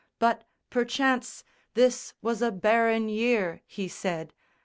But, perchance, This was a barren year, he said.